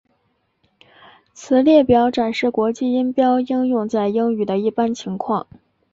此列表展示国际音标应用在英语的一般情况。